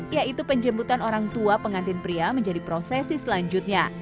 yaitu penjemputan orang tua pengantin pria menjadi prosesi selanjutnya